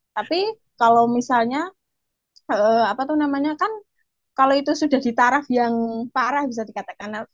tapi kalau misalnya kan kalau itu sudah ditarah yang parah bisa dikatakan